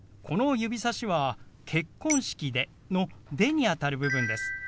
この指さしは「結婚式で」の「で」にあたる部分です。